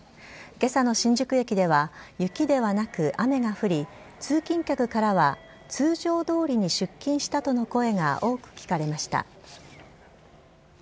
けさの新宿駅では雪ではなく雨が降り、通勤客からは通常どおりに出勤したとの声が多く聞かれました。